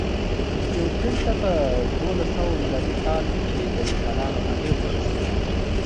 نیوزیلند ته په دوولسسوه مېلادي کې د انسانانو اغېز ورسېد.